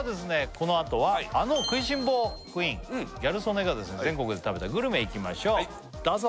このあとはあの食いしん坊クイーンギャル曽根がいきましょうどうぞ！